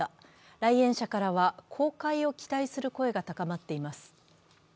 来園者からは公開を期待する声が高まっています。